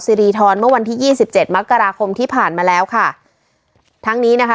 รีทรเมื่อวันที่ยี่สิบเจ็ดมกราคมที่ผ่านมาแล้วค่ะทั้งนี้นะคะ